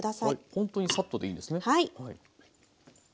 ほんとにサッとでいいんですね。